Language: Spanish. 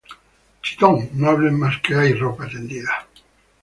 ¡Chitón! No hables más que hay ropa tendida